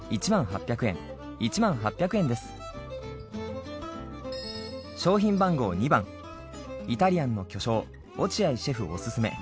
お値段商品番号２番イタリアンの巨匠落合シェフおすすめ。